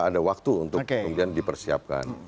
ada waktu untuk kemudian dipersiapkan